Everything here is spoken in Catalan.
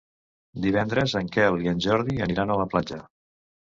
Divendres en Quel i en Jordi aniran a la platja.